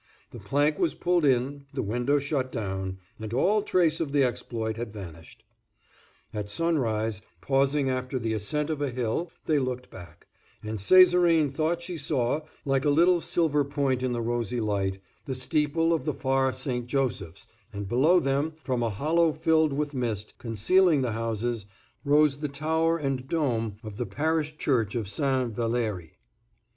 The plank was pulled in, the window shut down, and all trace of the exploit had vanished. At sunrise, pausing after the ascent of a hill, they looked back, and Césarine thought she saw, like a little silver point in the rosy light, the steeple of the far St. Joseph's, and below them, from a hollow filled with mist, concealing the houses, rose the tower and dome of the parish church of St. Valérie.